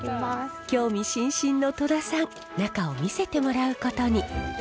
興味津々の戸田さん中を見せてもらうことに。